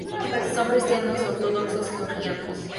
Son cristianos ortodoxos georgianos.